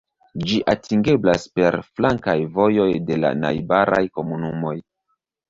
Ĝi atingeblas per flankaj vojoj de la najbaraj komunumoj.